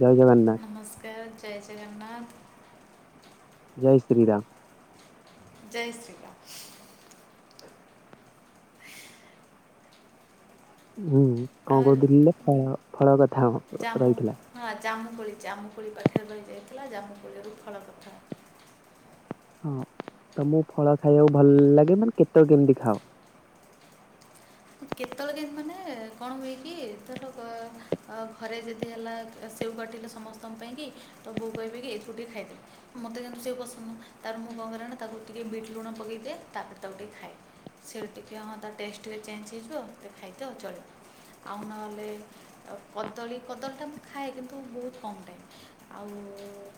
ଜୟ ଜଗନ୍ନାଥ। ନମସ୍କାର ଜୟ ଜଗନ୍ନାଥ। ଜୟ ଶ୍ରୀରାମ ଜୟ ଶ୍ରୀ ରାମ ହୁଁ କଣ ଆଉ କହୁଥିଲି ଫଳ କଥା ଆମର ଜାମୁ ରହିଥିଲା। ହଁ ଜାମୁକୋଳି ଜାମୁକୋଳି ପାଖରେ ରହି ଯାଇଥିଲା ଜାମୁକୋଳି ରୁ ଫଳ କଥା ହଁ ତମକୁ ଫଳ ଖାଇବାକୁ ଭଲ ଲାଗେ ମାନେ କେତେବେଳେ କେମିତି ଖାଅ। କେତେବେଳେ କେମିତି ମାନେ କଣ ହୁଏ କି ଥର ଘରେ ଯଦି ହେଲା ସେଉ କାଟିଲେ ସମସ୍ତଙ୍କ ପାଇଁକି ତ ବୋଉ କହିବେ କି ଏଥିରୁଟିିକ ଖାଇଦେ। ମୋତେ କିନ୍ତୁ ସେଉ ପସନ୍ଦ ନୁହଁ ତାପରେ ମୁଁ କଣ କରେ ନା ତାକୁ ଟିକେ ବିଟ୍ ଲୁଣ ପକାଇଦିଏ ତାପରେ ତାକୁ ଟିକେ ଖାଏ। ସେ ଟିକିଏ ହଁ ତା ଟେଷ୍ଟ ଟିକେ ଚେଞ୍ଜ ହେଇଯିବ ଖାଇଦେ ଆ ଚଳିବ। ଆଉ ନହେଲେ କଦଳୀ କଦଳୀଟା ମୁଁ ଖାଏ କିନ୍ତୁ ବହୁତ କମ୍ ଟାଇମ। ଆଉ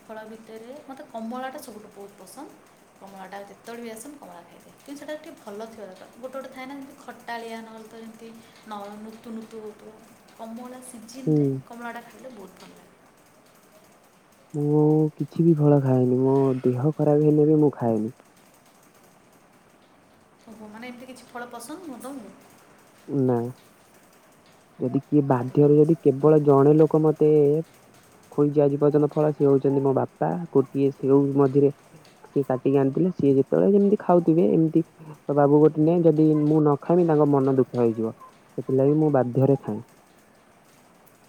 ଫଳ ଭିତରେ ମୋତେ କମଳାଟା ସବୁଠୁ ବହୁତ ପସନ୍ଦ। କମଳା ଟା ଯେତେବେଳେ ବି ଆସେ ମୁଁ କମଳା ଖାଇଦିଏ କିନ୍ତୁ ସେଟା ଟିକେ ଭଲ ଥିବା ଦରକାର ଗୋଟେ ଗୋଟେ ଥାଏ ନା ଯେମତି ଖଟାଳିଆ ନହେଲେ ତ ଯେମିତି ନ ନୁତୁ ନୁତୁ ହଉଥିବ କମଳା ସିଝା ହୁଁ କମଳା ଖାଇଲେ ବହୁତ ଭଲ। ମୁଁ କିଛି ବି ଫଳ ଖାଏନି ମୋ ଦେହ ଖରାପ ହେଲେ ବି ମୁଁ ଖାଏନି। ଓହୋ ମାନେ ଏମିତି କିଛି ଫଳ ପସନ୍ଦ ନୁହଁ ତମକୁ। ନାଁ ଯଦି କିଏ ଆରେ ବାଧ୍ୟରେ ଯଦି କେବଳ ଜଣେ ଲୋକ ମତେ ଖୋଇଚି ଆଜି ପର୍ଯ୍ୟନ୍ତ ଫଳ ସିଏ ହୋଉଚନ୍ତି ମୋ ବାପା ଗୋଟିଏ ସେଉ ମଧ୍ୟରେ ସିଏ କାଟିକି ଆଣିଥିଲେ ସିଏ ଯେତେବେଳେ ଯେମିତି ଖାଉଥିବେ ଏମତି ବାବା [unintelligible] ଯଦି ମୁଁ ନ ଖାଇମି ତାଙ୍କ ମନ ଦୁଃଖ ହେଇଯିବ ସେଥିଲାଗି ମୁଁ ବାଧ୍ୟରେ ଖାଏଁ।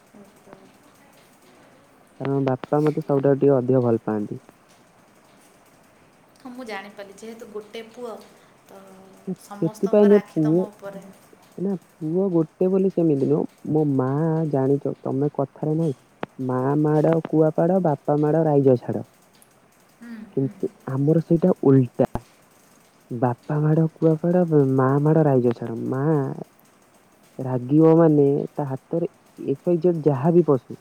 ଆଚ୍ଛା। କାରଣ ବାପା ମତେ ସବୁଠାରୁ ଟିକେ ଅଧିକ ଭଲ ପାଆନ୍ତି। ହଁ ମୁଁ ଜାଣିପାରିଲି ଯେହେତୁ ଗୋଟେ ପୁଅ ତ ସେଥିପାଇଁ ମୋ ସମସ୍ତଙ୍କର ଆଖି ପୁଅ ତମ ଉପରେ। ନା ପୁଅ ଗୋଟେ ବୋଲି ସେମିତି ନୁହଁ ମୋ ମାଆ ଜାଣିଚ ତମେ କଥାରେ ନାହିଁ ମାଆ ମାଡ଼ କୁଆପାଡ଼ ବାପା ମାଡ଼ ରାଇଜ ଛାଡ। କିନ୍ତୁ ଆମର ସେଇଟା ଉଲଟା। ବାପା ମାଡ କୁଆପାଡ ବ୍ ମାଆ ମାଡ ରାଇଜ ଛାଡ ମାଆ ରାଗିବ ମାନେ ତା ହାତରେ ଏକ ଇଞ୍ଚର ଯାହାବି ପଶୁ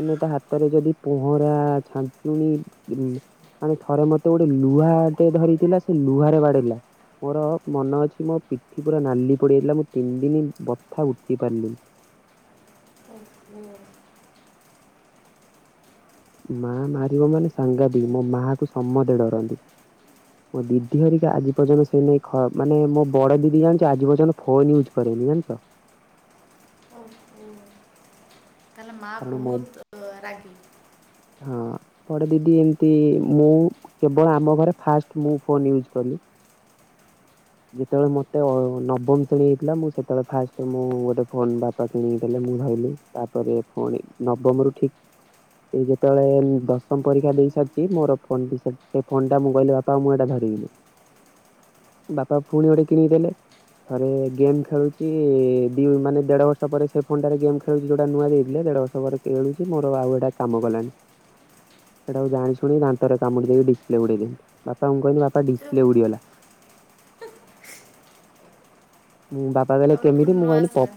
ଆମେ ତା ହାତରେ ଯଦି ପହଁରା ଛାଞ୍ଚୁଣି ଉଁ ମାନେ ଥରେ ମତେ ଗୋଟେ ଲୁହାଟେ ଧରିଥିଲା ସେ ଲୁହାରେ ବାଡେଇଲା। ମୋର ମନ ଅଛି ମୋ ପିଠି ପୁରା ନାଲି ପଡ଼ିଯାଇଥିଲା ମୁଁ ତିନ ଦିନି ବଥା ଉଠେଇ ପାରଲିନି। ହୁଁ ହୁଁ। ମାଆ ମାରିବ ମାନେ ସାଙ୍ଘାତିକ ମୋ ମାଆକୁ ସମତେ ଡରନ୍ତି। ମୋ ଦିଦି ହରିକା ଆଜି ପର୍ଯ୍ୟନ୍ତ ସେଇ ନେଇ ଖ ମାନେ ମୋ ବଡ ଦିଦି ଜାଣିଚ ଆଜି ପର୍ଯ୍ୟନ୍ତ ଫୋନ ୟୁଜ୍ କରେନି ଜାଣଚ। ଓହୋ ତାହେଲେ ମାଆ କାରଣ ମୋ ବୋହୁତ ଅ ରାଗି। ହଁ ଥରେ ଦିଦି ଏମତି ମୁଁ କେବଳ ଆମ ଘରେ ଫାଷ୍ଟ ମୁଁ ଫୋନ ୟୁଜ୍ କଲି। ଯେତେବେଳେ ମତେ ଅ ନବମ ଶ୍ରେଣୀ ହେଇଥିଲା ମୁଁ ସେତେବେଳେ ଫାଷ୍ଟ ମୁଁ ଗୋଟେ ଫୋନ ବାପା କିଣିକି ଦେଲେ ମୁଁ ଧଇଲି। ତାପରେ ଫୁଣି ନବମରୁ ଠିକ୍ ଏଇ ଯେତେବେଳେ ଦଶମ ପରୀକ୍ଷା ଦେଇ ସାରଚି ମୋର ଫୋନ ବି ସେ ସେ ଫୋନଟା ମୁଁ କହିଲି ବାପା ଆଉ ମୁଁ ଏଟା ଧରିବିନି। ବାପା ଫୁଣି ଗୋଟେ କିଣିକି ଦେଲେ। ଥରେ ଗେମ୍ ଖେଳୁଚି ଦି ମାନେ ଦେଢ ବର୍ଷ ପରେ ସେ ଫୋନଟାରେ ଗେମ୍ ଖେଳୁଚି ଯୋଉଟା ନୂଆ ଦେଇଥିଲେ ଦେଢ ବର୍ଷ ର୍ଷ ପରେ କିଣୁଚି ମୋର ଆଉ ଏଇଟା କାମ କଲାନି। [inaudible] ସେଇଟାକୁ ଜାଣିଶୁଣି ଦାନ୍ତରେ କାମୁଡି ଦେଇକି ଡିସ୍ଲେ ଉଡ଼େଇଦେଲି ବାପାଙ୍କୁ କହିଲି ବାପ ସେ ଡିସପ୍ଲେ ଉଡ଼ିଗଲା। ମୁଁ ବାପା କହିଲେ ତାପରେ ପୁଣି କେମିତି ନ ମୁଁ କହିଲି ଆସିଲା ପପ୍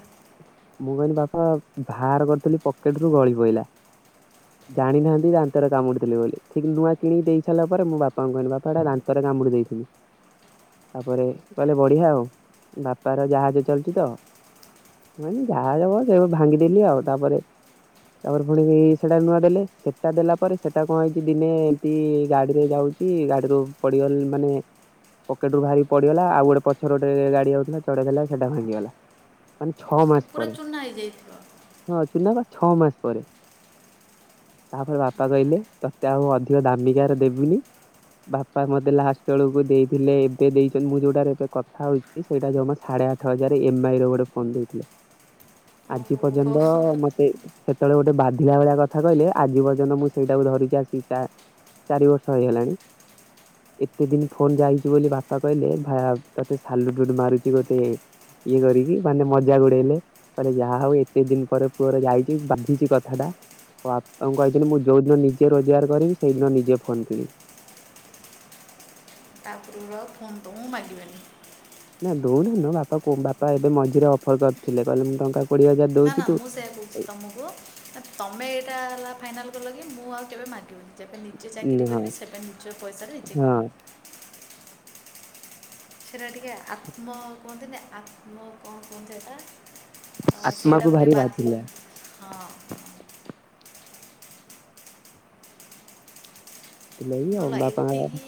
ମୁଁ କହିଲି ବାପା ଭାର କରୁଥିଲି ପକେଟରୁ ଗଳିପଇଲା। ଁ [inaudible] ଜାଣିନାହାନ୍ତି ଦାନ୍ତରେ କାମୁଡ଼ିଥିଲି ବୋଲି ସେ କିନ୍ତୁ ନୂଆ କିଣିକି ଦେଇସାରଲା ପରେ ମୃ ବାପାଙ୍କୁ କହିଲି ବାପା ହେଟା ଦାନ୍ତରେ କାମୁଡ଼ି ଦେଇଥିଲି। ତାପରେ କହିଲେ ବଢିଆ ଆଉ ବାପାର ଜାହାଜ ଚାଲୁଚି ତ। ନାଇଁ ଯାହାଜ କ ସେପା ଭାଙ୍ଗିଦେଲି ଆଉ ତାପରେ ତାପରେ ପୁଣି [unintelligible] ସେଟା ନୂଆ ଦେଲେ ସେଟା ଦେଲା ପରେ ସେଟା କଣ ହେଇଚି ଦିନେ ଏମତି ଗାଡିରେ ଯାଉ ଚି ଗାଡିରୁ ପଡିଗଲେ ମାନେ ପକେଟରୁ ଭାରିକି ପଡିଗଲା ଆଉ ଗୋଟେ ପଛରେ ଗୋଟେ ଗାଡି ଯାଉଥିଲା ଚେଢେଇଦେଲା ସେଟା ଭାଙ୍ଗିଗଲା। ମାନେ ଛଅ ସେ ତ ମାସ ପୁରା ପରେ ଚୂନା ହେଇଯାଇଥିବ ହଁ ଚୁନା ପା ଛଅ ମାସ ପରେ। ତାପରେ ବାପା କହିଲେ ତତେ ଆଉ ଅଧିକ ଦାମିକିଆର ଦେବିନି। ବାପା ମତେ ଲାଷ୍ଟ ବେଳକୁ ଦେଇଥିଲେ ସେ ଦେଇଚନ୍ତି ମୁଁ ଯୋଉଟା ଏବେ କଥାହୋଉଚି ସେଇଟା ଜମା ସାଢେ ଆଠ ହଜାରେ ଏମ୍ ଆଇ ର ଗୋଟେ ଫୋନ୍ ଦେଇଥିଲେ। [inaudible] ଆଜି ଓହୋ ପର୍ଯ୍ୟନ୍ତ ମ ସେ ସେତେବେଳେ ଗୋଟେ ବାଧିବା ଭଳିଆ କଥା କହିଲେ ଆଜି ପର୍ଯ୍ୟନ୍ତ ମୁଁ ସେଇଟାକୁ ଧରିଚି ଆସି ଚା ଚାରିବର୍ଷ ହେଇଗଲାଣି ଏତେ ଦିନ ଫୋନ ଯାଇଚି ବୋଲି ବା ବାପା କହିଲେ ଭା ତତେ ସାଲୁଟୁ [unintelligible] ମାରୁଚି ଗୋଟେ ଇଏ କରିକି ମାନେ ମଜାକ ଉଡେଇଲେ। କହିଲେ ଯାହା ହୋଉ ଏତେ ଦିନ ପରେ ପୁଅର ଯାଇଚି ବାଧିଚି କଥାଟା। ବାପାଙ୍କୁ କହିଥିଲି ମୁଁ ଯୋଉଦିନ ନିଜେ ରୋଜଗାର କରିବି ସେଇଦିନ ନିଜେ ଫୋନ କିଣିବି। ତାପରେ ବି ଆଉ ଫୋନ୍ ତମୁକୁ ମାଗିବେନି। ନା ଦଉନା ବାପା ବାପା ଏବେ ମଝିରେ ଅଫର କରିଥିଲେ କହିଲେ ମୁଁ ଟଙ୍କା କୋଡିଏ ହଜାର ନା ଦଉଛି ନା ତୁ ମୁଁ ସେୟା କହୁଛି ତୁମକୁ ନା ତମେ ଏଇଟା ହେଲା ଫାଇନାଲ୍ କଲ କି ମୁଁ ଆଉ କେବେ ମାଗିବନି। ଯେବେ ନିଜେ ଉଁ ଚାକିରି ହଁ କରିବି ସେବେ ନିଜ ପଇସାରେ ନିଜେ ହଁ ସେଇଟା ଟିକେ ଆତ୍ମ କୁହନ୍ତିନ ଆତ୍ମ କଣ କୁହନ୍ତି ଏଇଟା? ହ ସେଇଟା ଆତ୍ମାକୁ ଗୋଟେ ଭାରି ବାଧ୍ୟ ବାଧିଲା। ହଁ। ହଁ। ସେଥିଲାଗି ଆଉ ଭଲ ବାପା ଏତିକି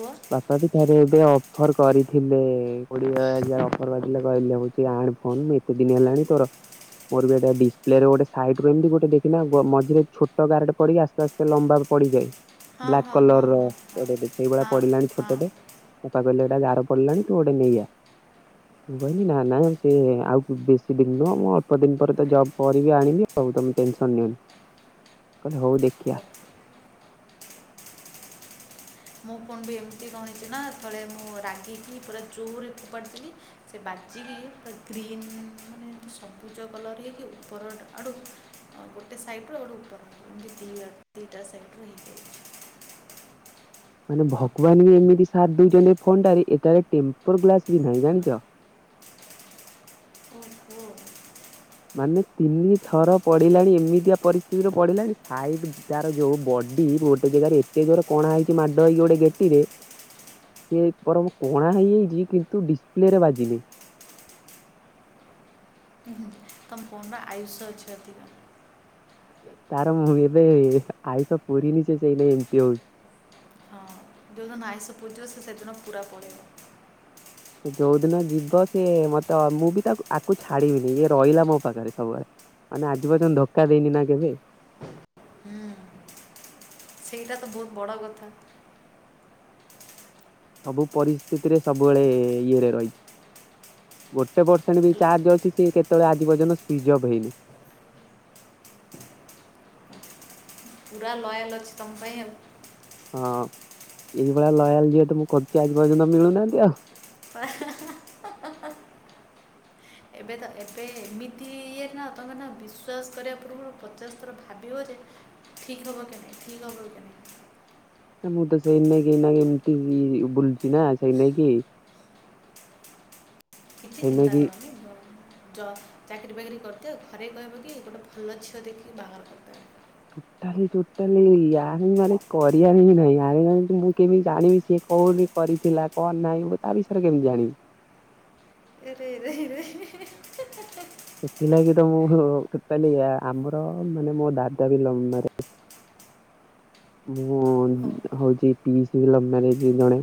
କୁହ ବାପା ବି ଥରେ ଏବେ ଅଫର କରିଥିଲେ କୋଡିଏ ହଜାର ଅଫର କରିଥିଲେ କହିଲେ ହଉଛି ଆଣେ ଫୋନ କେତେ ଦିନିହେଲାଣି ତୋର? ମୋର ବି ଏଟ ଡିସପ୍ଲେରେ ଗୋଟେ ସାଇଟ ରୁ ଏମିତି ଗୋଟେ ଦେଖିନ ମଝିରେ ଛୋଟ ଗାର ପଡି ଆସ୍ତେ ଆସ୍ତେ ଯୋଉ ଲମ୍ବା ପଡିଯାଏ ହଁ ବ୍ଲାକ୍ ହଁ କଲର ହଁ ର ହଁ ହଁ ସେଇଭଳିଆ। ହଁ ପଡିଲାଣି ହଁ ଛୋଟଟେ ବାପା କହିଲେ ଗାର ପଡିଲାଣି ତୁ ଗୋଟେ ନେଇ ଆ। [inaudible] ମୁଁ କହନି ନା ନା ସେ ଆଉ ବେଶୀ ଦିନ ନୁହଁ ମୁଁ ଅଳ୍ପ ଦିନ ପରେ ତ ଜବ୍ କରିବି ଆଣିବି ଆଉ ତମେ ଟେନସନ ନିଅନି। [unintelligible] କହିଲେ ହଉ ଦେଖିବା ମୁଁ ଫୋନ୍ ବି ଏମିତି କଣ ହେଇଛି ନା ଥରେ ମୁଁ ରାଗିକି ପୁରା ଜୋରରେ ଫୋପାଡ଼ିଦେଲି ସେ ବାଜିକି ପୁରା ଗ୍ରୀନ୍ ମାନେ ସବୁଜ କଲର ହେଇକି ଉପର ଆଡ଼ୁ ହଉ ଗୋଟେ ସାଇଟ୍ ରୁ ଗୋଟେ ଉପରଟା ଦି ଦିଇଟା ସାଇଟ୍ ହେଇ ମାନେ ଭଗବାନ ବି ଏମିତି ସାଦ୍ ଦେଇଛନ୍ତି ଏ ଫୋନଟାରେ ଏଟାରେ ଟେମ୍ପର ଗ୍ଲାସ ବି ନାହିଁ ଜାଣିଛ କୁ ମାନେ ତିନି ଥର ପଡିଲାଣି ଏମିତିଆ ପରିସ୍ଥିତିରେ ପଡିଲାଣି ସାଇ ତାର ଯୋଉ ବଡି ଗୋଟେ ଜାଗାରେ ଏତେ ଜୋର କଣା ହେଇକି ମାଡ ହେଇକି ଗୋଟେ ଗେଟିରେ ହ ସେଇ ଉପରେ କଣା ହେଇଯାଇଛି କିନ୍ତୁ ଡିସପ୍ଲେ ରେ ବାଜିନି। ତମ ଫୋନର ଆୟୁଷ ଅଛି ଅଧିକ ତାର ମୁଁ ଏବେ ଆୟୁଷ ପୁରିନି ସେ ସେଇନା ଏମିତି ହଉଛି। ହଁ ଯେଉଁଦିନ ଆୟୁଷ ପୁରିଜିବ ସେ ସେଦିନ ପୁରା ପଲେଇବ। ଯୋଉ ଦିନ ଯିବ ସେ ମତେ ତ ମୁଁ ବି ୟାଙ୍କୁ ଛାଡିବିନି ଇଏ ରହିଲା ମୋ ପାଖରେ ସବୁବେଳେ। ମାନେ ଆଜି ପର୍ଯ୍ୟନ୍ତ ଧୋକା ଦେଇନି ନା କେବେ ହଁ। ସେଇଟା ତ ବହୁତ ବଡ଼ କଥା। ସବୁ ପରିସ୍ଥିତିରେ ସବୁବେଳେ ଇଏରେ ରହିଛି। ଗୋଟେ ପରସେଣ୍ଟ ବି ଚାର୍ଜ ଅଛି ସେ କେତେବେଳେ ଆଜି ପର୍ଯ୍ୟନ୍ତ ସୁଇଚ୍ ଅଫ୍ ହେଇନି। ପୁରା ଲୟାଲ୍ ଅଛି ତମ ପାଇଁ ଆଉ। ହଁ ଏଇଭଳିଆ ଲୟାଲ ଯେହେତୁ ମୁଁ ଖୋଜି ଆଜି ପର୍ଯ୍ୟନ୍ତ ମିଳୁନାହାନ୍ତି ଆଉ? ହା ହା ହା ଏବେ ତ ଏବେ ଏମିତି ଇଏ ନା ତାଙ୍କର ନା ବିଶ୍ୱାସ କରିବା ପୂର୍ବରୁ ପଚାଶ ଥର ଭାବିବ ଯେ ଠିକ୍ ହେବ କି ନାହିଁ ଠିକ ହେବ କି ନାହିଁ। ନା ମୁଁ ତ ସେଇ ତି ନେଇକି ଏମିତି ବୁଲୁଛି ନା ସେଇ ତି ନାକି କିଛି ସେଇ ଚିନ୍ତା ନେଇକି କରୁନି ଭ ଜବ ଚାକିରରି ବାକିରି କରିଦିଅ ଘରେ କହିବକି ଗୋଟେ ଭଲ ଝିଅ ଦେଖିକି ବାହାଘର କରିଦେବେ ଟୋଟାଲି ଟୋଟାଲି ଆରେଞ୍ଜ ମାନେ କରିବାରେ ହିଁ ନାହିଁ ଆରେଞ୍ଜ ମ୍ୟାରେଞ୍ଜ ମୁଁ କେମିତି ଜାଣିବି କିଏ କଣ କ କରିଥିଲା କଣ ନାହିଁ ତା ବିଷୟରେ କେମିତି ଜାଣିବି? ଏରେଇ ରରେଇ ରଇ ସେଥିଲାଗି ତ ମୁଁ ଟୋଟାଲୀ ଆମର ମାନେ ମୋ ଦାଦା ବି ଲଭ ମାରେ ମୁଁ ହଉ ହଉ ହଉଛି ପିଇସ୍ ଲଭ ମାରେଞ୍ଜ ବି ଜଣେ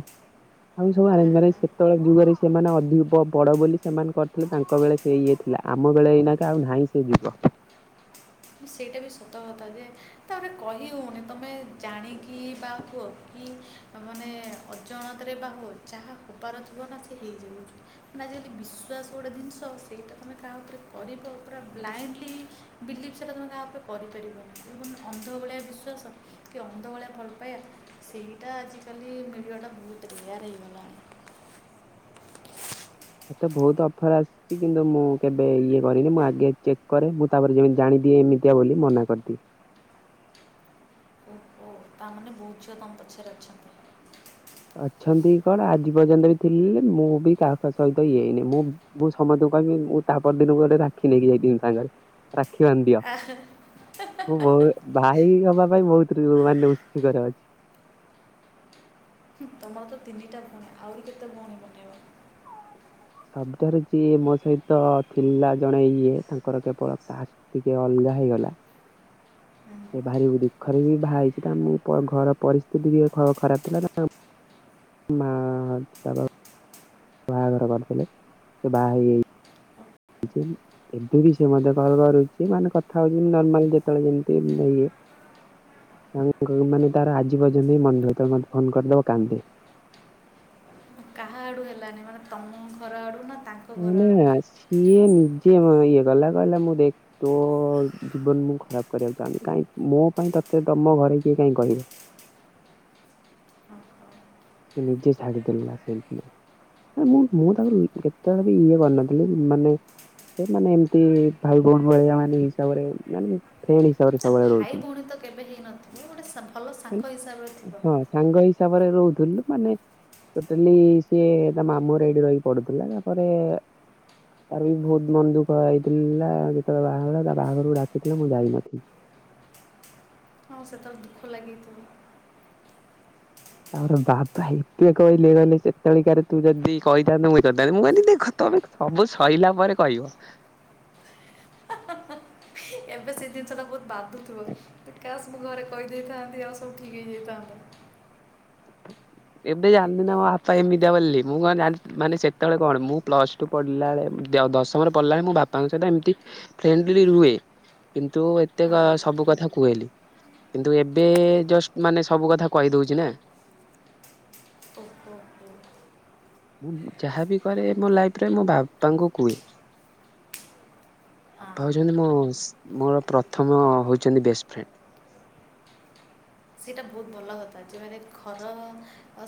ଆଉ ସବୁ ଆରେଞ୍ଜ ମାରେଞ୍ଜ ଆହା ସେତେବେଳେ ଯୁଗରେ ସେମାନେ ଅଧିକ ବଡ ବୋଲି ସେମାନେ କରିଥିଲେ ତାଙ୍କ ବେଳେ ସେ ଇଏ ଥିଲା ଆମ ବେଳେ ଏଇନା କି ଆଉ ନାହିଁ ସେ ଯୁଗ ସେଇଟା ବି ସତ କଥା ଯେ ତାହରେ କହି ହଉନି ତମେ ଜାଣିକି ବା ହୁଅ କି ତ, ମାନେ ଅଜଣାତରେ ବା ହଉ ଯାହା ହବାର ଥିବ, ନା ସେ ହେଇଯାଉଛି। ଆଜିକାଲି ବିଶ୍ୱାସ ଗୋଟେ ଜିନିଷ ସେଇଟା ତମେ, କାହା ଉପରେ କରିବ ପୁରା ବ୍ଲାଇଣ୍ଡଲି, ବିଲିଭ୍ ସେଟା ତୁମେ କାହା ଉପରେ କରିପାରିବନି। ମାନେ ଅନ୍ଧ ଭଳିଆ ବିଶ୍ୱାସ କି ଅନ୍ଧ ଭଳିଆ ଭଲ ପାଇଆ ସେଇଟା ଆଜିକାଲି ମିଳିବାଟା ବହୁତ ରେୟାର୍ ହେଇଗଲାଣି। ଏତେ ବହୁତ ଅଫର୍ ଆସ ଚି କିନ୍ତୁ ମୁଁ କେବେ ଇଏ କରିନି। ମୁଁ ଆଗେ ଚେକ୍ କରେ, ମୁଁ ତା'ପରେ ଯେମତି ଜାଣିଦିଏ, ଏମିତିଆ ବୋଲି ମନା କରିଦିଏ। ତା'ମାନେ ବହୁତ ଝିଅ ତମ ପଛରେ ଅଛନ୍ତି। ଅଛନ୍ତି କଣ? ଆଜି ପର୍ଯ୍ୟନ୍ତ ବି ଥିଲେ, ମୁଁ ବି କାହା ସହିତ ଇଏ ହେଇନି। ମୁଁ ମୁଁ ସମସ୍ତଙ୍କୁ କହିମି। ମୁଁ ତାହ ପରଦିନକୁ ଗୋଟେ ରାକ୍ଷୀ ନେଇକି ଯାଇଥମି ସାଙ୍ଗେରେ? ରାକ୍ଷୀ ବାନ୍ ଦିଅ। ମୁଁ ବହୁ ଭାଇ ହବା ପାଇଁ ବହୁତ ମାନେ ଉତ୍ସୁକରେ ଅଛି। ତମର ତ ତିନିଟା ଭଉଣୀ। ଆହୁରି କେତେ ଭଉଣୀ ବନେଇବ? ଶବ୍ଦରେ ଯିଏ ମୋ ସହିତ ଥିଲା ଜଣେ ଇଏ। ତାଙ୍କର କେବଳ ପାସ୍। ଟିକେ ଅଲଗା ହେଇଗଲା। ହୁଁ। ଏ ବାହାରି ଦୁଃଖରେ ବି ବାହାହେଇଛି। ତାଙ୍କ ଘର ପରିସ୍ଥିତି ଟିକେ ଖରାପ ଥିଲା। ତାଙ୍କ ମା-ଆ, ବାବା ବାହାଘର କରିଦେଲେ। ସେ ବାହା ହେଇଆଇ କିଚି ହେଇନି। ଏବେ ବି ସେମତେ କଲ୍ କରୁଛି। ମାନେ କଥା ହଉଛି, ନର୍ମାଲ ଯେତେବେଳେ ଯେମିତି ଇଏ ମାନେ ତାଙ୍କ ମାନେ ତାର, ଆଜି ପର୍ଯ୍ୟନ୍ତ ବି ମନ ଦୁଃଖ ମତେ ଫୋନ୍ କରିଦବ କାନ୍ଦେ। କାହା ଆଡ଼ୁ ହେଲାନି। ମାନେ ତମ ଘର ଆଡ଼ୁ ନା ତାଙ୍କ ଘର ଆଡ଼ୁ ନା ସିଏ ନିଜେ ଇଏ କଲା। କହିଲା ମୁଁ ଦେଖ୍ ତୋ ଜୀବନ ମୁଁ ଖରାପ କରିବାକୁ ଚାହୁଁନି। କାହିଁ ମୋ ପାଇଁ, ତତେ ତମ ଘରେ କିଏ କାହିଁ କହିବେ? ନିଜେ ଛାଡ଼ି ଦେଲା ସେଇଦିନ। ମୁଁ, ମୁଁ ତାକୁ କେତେବେଳେ ବି ଇଏ କରିନଥିଲି? ମାନେ ସେ ମାନେ ଏମିତି ଭାଇ ଭଉଣି ଭଳିଆ ମାନେ ହିସାବରେ ମାନେ, ଭଉଣି ହିସ ଭାଇ ଭଉଣୀ ତ କେବେ ହେଇନଥିବ? ଗୋଟେ ଭଲ ମାନେ ସାଙ୍ଗ ହିସାବରେ ଥିବ। ହଁ ସାଙ୍ଗ ହିସାବରେ ରହୁଥିଲୁ। ମାନେ ଟୋଟାଲି ସିଏ ତା ମାମୁଁଅରେ ଏଇଠି ରହିି ପଡୁଥିଲା। ତା'ପରେ ତାର ବି ବହୁତ ମନ ଦୁଃଖ ହେଇଥିଲା। ଯେତେବେଳେ ବାହାହେଲା ତା ବାହାଘରକୁ ଡାକିଥିଲା। ମୁଁ ଯାଇନଥିଲ। ହଁ, ସେତେବେଳେ ଦୁଃଖ ଲାଗିଥିବ। ତାରେ ବାବା ଏତେ କହିଲେ, କହିଲେ ସେତେବେଳେ କାରେ ତୁ ଯଦି କହିଥାନ୍ତୁ, ମୁଁ ଇଏ କରିଥାନ୍ତି। ମୁଁ କହନି ଦେଖ ତମେ ସବୁ ସଇଲା ପରେ କହିବ। ଏବେ ସେ ଜିନିଷ ଟା ବହୁତ ବାଧୁଥୁବ। କାସ୍ ମୁଁ ଘରେ କହିଦେଇଥାନ୍ତି। ଆଉ ସବୁ ଠିକ୍ ହେଇଯାଇଥାନ୍ତତା! ଏବେ ଜାନଲି ନା ମୋ ବାପା ଏମିତିଆ ବୋଲି। ମୁଁ କଣ ଜାଣ ମାନେ, ସେତେବେଳେ କଣ ମୁଁ ପ୍ଲସ୍ ଠୁ ପଢିଲା ଏଳେ ଦଶମରେ ପଡିଲା ବେଳେ, ମୁଁ ବାପାଙ୍କ ସହିତ ଏମିତି ଫ୍ରେଣ୍ଡଲି ରୁହେ। କିନ୍ତୁ, ଏତେ କ ହଁ ସବୁ କଥା କୁହେଲି। କିନ୍ତୁ, ଏବେ ଜଷ୍ଟ ମାନେ, ସବୁ କଥା କହିଦଉଛି ନା। ଓ ହୋ ହୋ। ମୁଁ ଯାହାବି କରେ ମୋ ଲାଇଫ୍ ରେ, ମୋ ବାପାଙ୍କୁ କୁହେ। ବାପା ହଁ ହଉଛନ୍ତି ମୋ-ମୋର, ପ୍ରଥମ ହଉଛନ୍ତି, ବେଷ୍ଟ୍ ଫ୍ରେଣ୍ଡ। ସେଇଟା ବହୁତ ଭଲ କଥା। ଯେମାନେ ଘର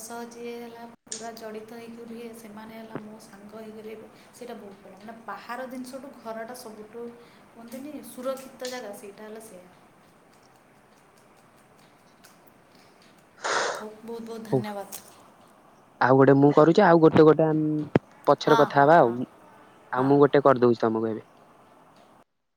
ସହ ଯିଏ ହେଲା, ପୁରା ଜଡି ତ ହେଇକିରି ଇଏ, ସେମାନେ ହେଲା ମୋ ସାଙ୍ଗ ହେଇକିରି ର। ସେଇଟା ବହୁତ ବଢ଼ିଆ! ମାନେ ବାହାର ଦିନଷଠୁ ଘରଟା ସବୁଠୁ। କୁହନ୍ତିନି, ସୁରକ୍ଷିତ ଜାଗା ସେଇଟା ହେଲା। ସେଆ ହଉ, ବହୁତ ବହୁତ ହଉ ଧନ୍ୟବାଦ। ଆଉ ଗୋଟେ ମୁଁ କରୁଛି। ଆଉ ଗୋଟେ ଆମ୍ ପଛରେ ହଁ କଥା ହଁ ହବା ହଁ ଆଉ। ଆଉ ହଁ ମୁଁ ଗୋଟେ କରିଦଉଛି ତମକୁ ଏବେ।